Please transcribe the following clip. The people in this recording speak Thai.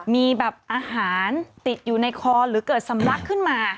มีแบบอาหารติดอยู่ในคอหรือเกิดสำลักขึ้นมา